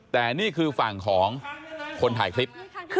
แต่นี่คือฝั่งของคนถ่ายคลิป